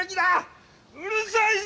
・うるさいぞ！